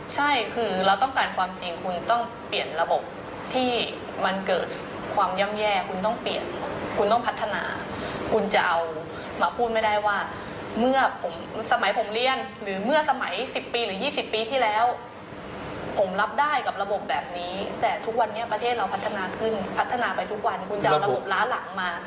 ใช่คือเราต้องการความจริงคุณต้องเปลี่ยนระบบที่มันเกิดความย่ำแย่คุณต้องเปลี่ยนคุณต้องพัฒนาคุณจะเอามาพูดไม่ได้ว่าเมื่อผมสมัยผมเรียนหรือเมื่อสมัย๑๐ปีหรือ๒๐ปีที่แล้วผมรับได้กับระบบแบบนี้แต่ทุกวันนี้ประเทศเราพัฒนาขึ้นพัฒนาไปทุกวันคุณจะเอาระบบล้านหลังมา